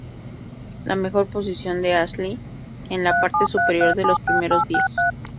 La mejor posición de Halsey en la parte superior de los primeros diez.